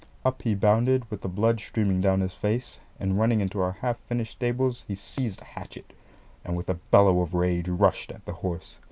Up he bounded with the blood streaming down his face, and running into our half finished stables he seized a hatchet, and with a bellow of rage rushed at the horse.